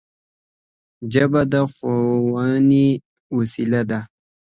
ژبه د ښوونې وسیله ده